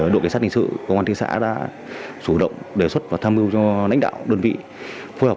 đội cảnh sát hình sự công an thị xã đã chủ động đề xuất và tham mưu cho lãnh đạo đơn vị phối hợp